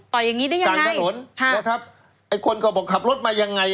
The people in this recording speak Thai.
อย่างงี้ได้ยังไงกลางถนนค่ะนะครับไอ้คนก็บอกขับรถมายังไง